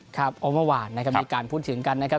ครับเพราะเมื่อวานนะครับมีการพูดถึงกันนะครับ